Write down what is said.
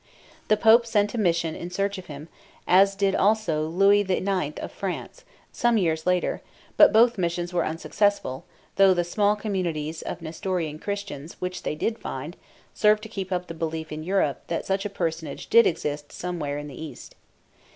The Pope sent a mission in search of him, as did also Louis IX. of France, some years later, but both missions were unsuccessful, though the small communities of Nestorian Christians, which they did find, served to keep up the belief in Europe that such a personage did exist somewhere in the East.